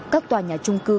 các tòa nhà trung cư